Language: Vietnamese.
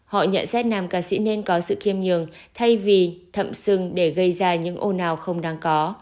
họ nhận xét nam ca sĩ nên có sự khiêm nhường thay vì thậm xưng để gây ra những ồ nào không đáng có